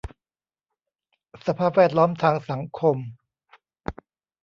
สภาพแวดล้อมทางสังคม